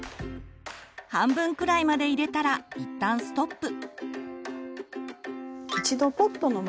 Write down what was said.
半分くらいまで入れたらいったんストップ。